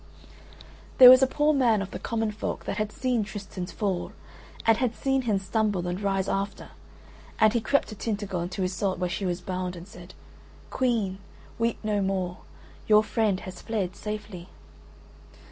There was a poor man of the common folk that had seen Tristan's fall, and had seen him stumble and rise after, and he crept to Tintagel and to Iseult where she was bound, and said: "Queen, weep no more. Your friend has fled safely."